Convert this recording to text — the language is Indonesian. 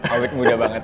om udah muda banget